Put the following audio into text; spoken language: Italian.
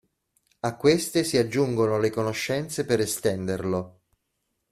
A queste si aggiungono le conoscenze per estenderlo.